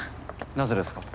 なぜですか？